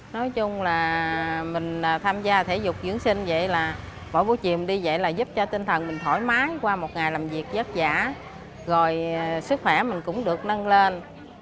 nói chung là mình tham gia thể dục vũ truyền sinh vậy là bỏ vũ truyền đi vậy là giúp cho tinh thần mình thoải mái qua một ngày làm việc giấc giả rồi sức khỏe mình cũng được nâng lên